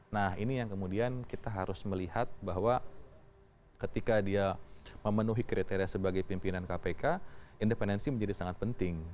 nah ini yang kemudian kita harus melihat bahwa ketika dia memenuhi kriteria sebagai pimpinan kpk independensi menjadi sangat penting